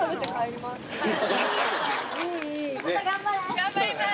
頑張ります！